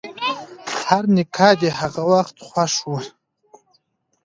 هر نقاد یې هغه وخت خوښ وي.